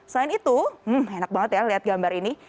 selain itu enak banget ya lihat gambar ini